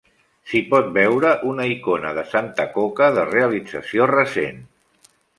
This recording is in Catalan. S'hi pot veure una icona de Santa Coca de realització recent.